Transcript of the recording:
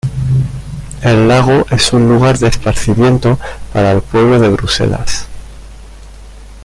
El lago es un lugar de esparcimiento para el pueblo de Bruselas.